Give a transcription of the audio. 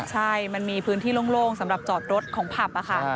ใช่มันมีพื้นที่โล่งสำหรับจอดรถของผับค่ะ